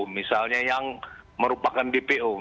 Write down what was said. misalnya yang merupakan dpo